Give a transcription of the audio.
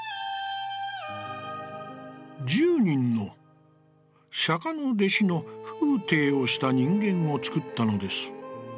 「十人の釈の弟子の風体をした人間をつくったのです。